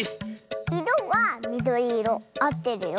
いろはみどりいろあってるよ。